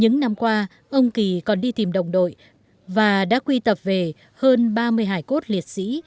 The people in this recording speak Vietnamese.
những năm qua ông kỳ còn đi tìm đồng đội và đã quy tập về hơn ba mươi hải cốt liệt sĩ